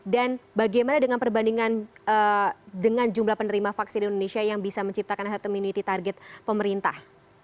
dan bagaimana dengan perbandingan dengan jumlah penerima vaksin di indonesia yang bisa menciptakan harta miniti target pemerintah